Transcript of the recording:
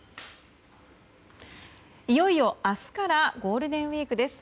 いよいよ明日からゴールデンウィークです。